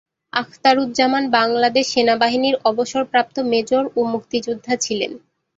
আখতারুজ্জামান বাংলাদেশ সেনাবাহিনীর অবসরপ্রাপ্ত মেজর ও মুক্তিযোদ্ধা ছিলেন।